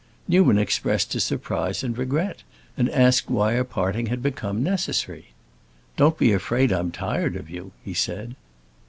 Newman expressed his surprise and regret, and asked why a parting had become necessary. "Don't be afraid I'm tired of you," he said.